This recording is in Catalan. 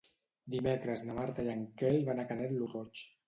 Dimecres na Marta i en Quel van a Canet lo Roig.